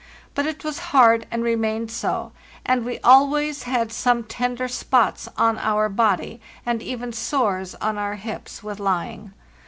But it was hard, and remained so; and we al ways had some tender spots on our body, and even sores on our hips, with lying.